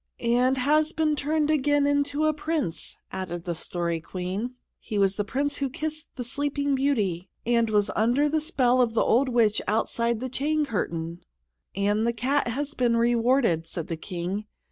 "And has been turned again into a prince!" added the Story Queen. "He was the prince who kissed the Sleeping Beauty, and was under the spell of the old witch outside the chain curtain." "And the cat has been rewarded," said the King.